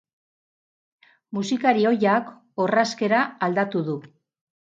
Musikari ohiak orrazkera aldatu du.